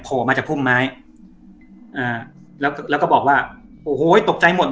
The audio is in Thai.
มาจากพุ่มไม้อ่าแล้วก็บอกว่าโอ้โหตกใจหมด